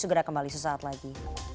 segera kembali sesaat lagi